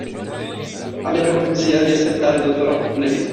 Abbia la cortesia di aspettare, dottor Appleby!